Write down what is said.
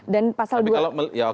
dan pasal dua